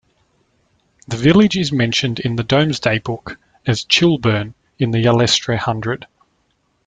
The village is mentioned in the "Domesday Book" as "Chileburne" in the Yalestre hundred.